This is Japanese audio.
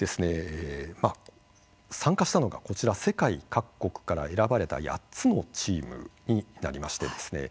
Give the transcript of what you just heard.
参加したのがこちら、世界各国から選ばれた８のチームになりましてですね